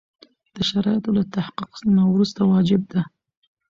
د شرایطو له تحقق نه وروسته واجب ده.